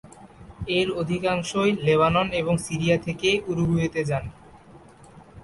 এর অধিকাংশই লেবানন এবং সিরিয়া থেকে উরুগুয়েতে যান।